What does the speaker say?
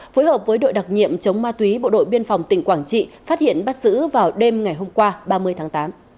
phối hợp với đội đặc nhiệm chống ma túy bộ đội biên phòng tỉnh quảng trị phát hiện bắt giữ vào đêm ngày hôm qua ba mươi tháng tám